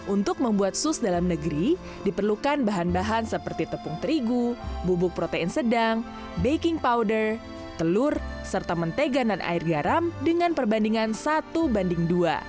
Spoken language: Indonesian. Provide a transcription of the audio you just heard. untuk membuat sus dalam negeri diperlukan bahan bahan seperti tepung terigu bubuk protein sedang baking powder telur serta mentega dan air garam dengan perbandingan satu banding dua